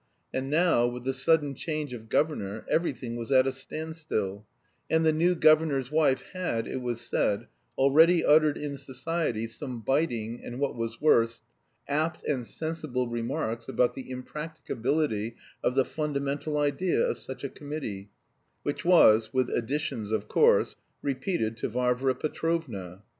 And now, with the sudden change of governor, everything was at a standstill; and the new governor's wife had, it was said, already uttered in society some biting, and, what was worse, apt and sensible remarks about the impracticability of the fundamental idea of such a committee, which was, with additions of course, repeated to Varvara Petrovna.